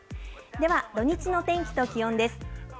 では、土日の天気と気温です。